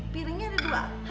piringnya ada dua